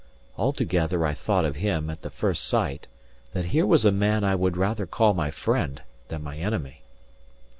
Altogether I thought of him, at the first sight, that here was a man I would rather call my friend than my enemy.